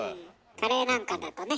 カレーなんかだとね